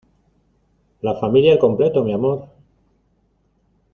la familia al completo. mi amor